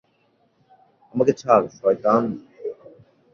আমাকে ছাড়, সয়তান!